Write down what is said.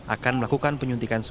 akan melakukan penyuntikan semenit